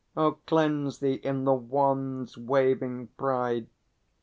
Oh, cleanse thee in the wands' waving pride!